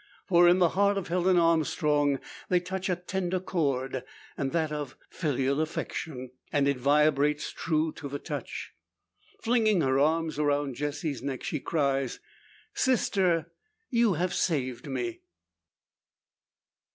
For in the heart of Helen Armstrong they touch a tender chord that of filial affection. And it vibrates true to the touch. Flinging her arms around Jessie's neck, she cries: "Sister; you have saved me!"